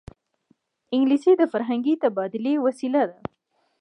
انګلیسي د فرهنګي تبادلې وسیله ده